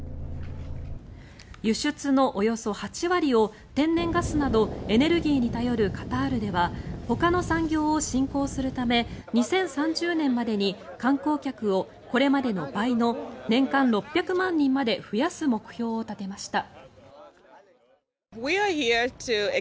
輸出のおよそ８割を天然ガスなどエネルギーに頼るカタールではほかの産業を振興するため２０３０年までに観光客をこれまでの倍の年間６００万人まで増やす目標を立てました。